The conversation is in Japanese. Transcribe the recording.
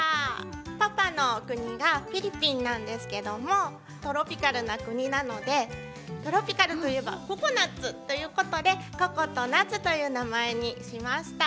パパのおくにがフィリピンなんですけどもトロピカルなくになのでトロピカルといえばココナツということで「ここ」と「なつ」というなまえにしました。